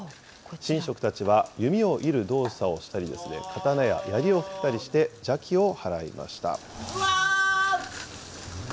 神職たちは、弓を射る動作をしたり、刀ややりを振ったりして邪気を払いました。